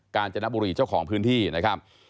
การจนบุรีเจ้าของพื้นที่นะครับ